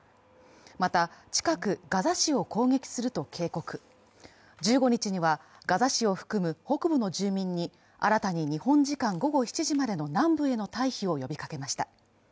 また、近くガザ市を攻撃すると警告、１５日にはガザ市を含む北部の住民に新たに日本時間午後７時までの南部への退避を呼びかけました。